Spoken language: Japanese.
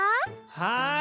はい。